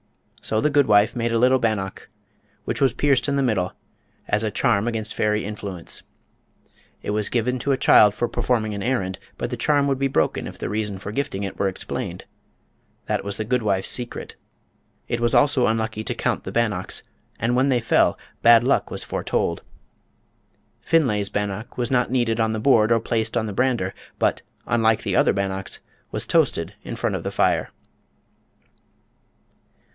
So the good wife made a little bannock, which was pierced in the middle, as a charm against fairy influence. It was given to a child for performing an errand, but the charm would be broken if the reason for gifting it were explained. That was the good wife's secret. It was also unlucky to count the bannocks, and when they fell, "bad luck" was foretold. Finlay's bannock was not kneaded on the board or placed on the brander, but, unlike the other bannocks, was toasted in front of the fire.